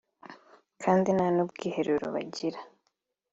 kandi nta n’ubwiherero bagira